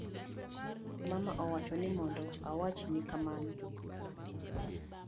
Mama owachona ni mondo awachni kamano